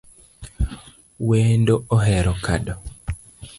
Wendo ohero kado